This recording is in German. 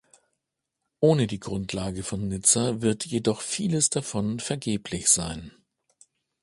Ohne die Grundlage von Nizza wird jedoch vieles davon vergeblich sein.